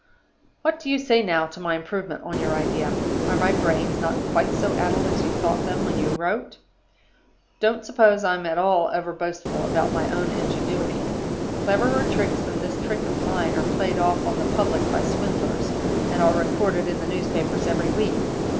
"What do you say now to my improvement on your idea? Are my brains not quite so addled as you thought them when you wrote? Don't suppose I'm at all overboastful about my own ingenuity. Cleverer tricks than this trick of mine are played off on the public by swindlers, and are recorded in the newspapers every week.